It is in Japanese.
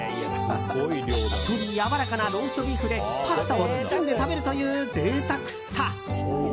しっとりやわらかなローストビーフでパスタを包んで食べるという贅沢さ。